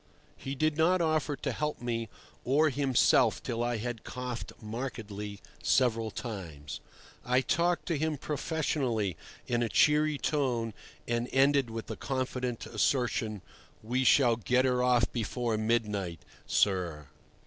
He did not offer to help me or himself till I had coughed markedly several times. I talked to him professionally in a cheery tone, and ended with the confident assertion: "We shall get her off before midnight, sir."